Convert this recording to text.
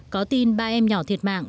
có tin ba em nhỏ thiệt mạng